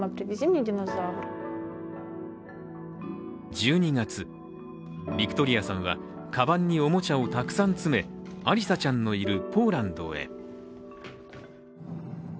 １２月、ビクトリアさんはかばんにおもちゃをたくさん詰め、アリサちゃんのいるポーランドへ。